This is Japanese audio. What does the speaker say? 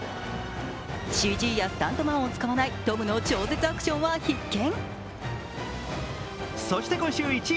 ＣＧやスタントマンを使わないトムの超絶アクションは必見。